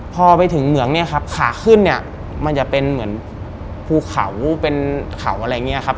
พอไปถึงเหมืองเนี่ยครับขาขึ้นเนี่ยมันจะเป็นเหมือนภูเขาเป็นเขาอะไรอย่างนี้ครับ